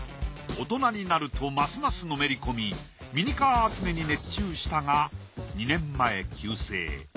大人になるとますますのめりこみミニカー集めに熱中したが２年前急逝。